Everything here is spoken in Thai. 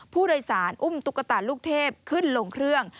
ผู้โดยสารอุ้มตุ๊กตาลูกเทพขึ้นลงเครื่อง